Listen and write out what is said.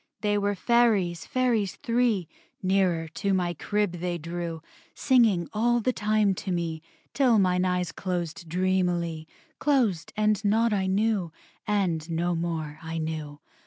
They were Fairies, Fairies three: Nearer to my crib they drew, Singing all the time to me, Till mine eyes closed dreamily, Closed, and naught I knew, And no more I knew.